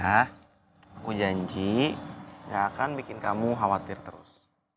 aku janji yang akan bikin kamu khawatir terus